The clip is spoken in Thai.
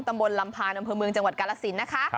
ตำบลลำพานด์นำพลเมืองจังหวัดกรรศิลป์นะคะ